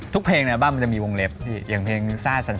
เพลงในบ้านมันจะมีวงเล็บอย่างเพลงซ่าสัน